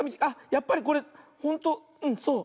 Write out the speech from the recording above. やっぱりこれほんとうんそう。